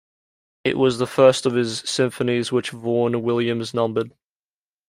It was the first of his symphonies which Vaughan Williams numbered.